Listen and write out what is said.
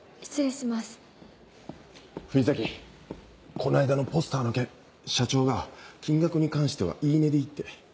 この間のポスターの件社長が金額に関しては言い値でいいって。